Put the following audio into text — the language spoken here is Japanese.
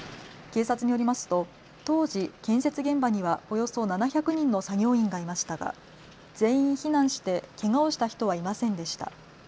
警察によりますと当時、建設現場にはおよそ７００人の作業員がいましたが全員、避難してけがをした人はいませんでした。